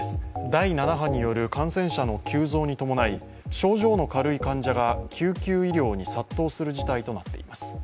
第７波による感染者の急増に伴い症状の軽い患者が救急医療に殺到する事態となっています。